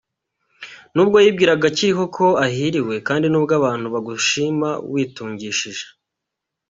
Nubwo yibwiraga akiriho ko ahiriwe, Kandi nubwo abantu bagushima witungishije